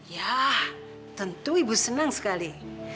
ya tentu ibu senang sekali